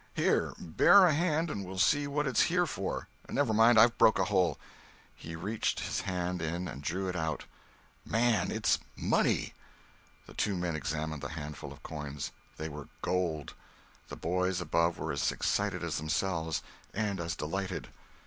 Here—bear a hand and we'll see what it's here for. Never mind, I've broke a hole." He reached his hand in and drew it out— "Man, it's money!" The two men examined the handful of coins. They were gold. The boys above were as excited as themselves, and as delighted.